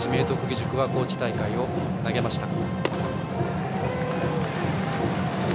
義塾は高知大会を投げました。